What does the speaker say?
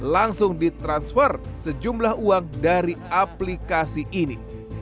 langsung di transfer sejumlah uang dari aplikasi ini